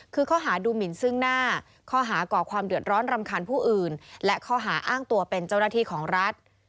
คือข้อหาดูหมินซึ่งหน้าข้อหาก่อความเดือดร้อนรำคาญผู้อื่นและข้อหาอ้างตัวเป็นเจ้าหน้าที่ของรัฐ